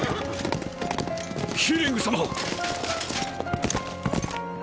ヒリング様！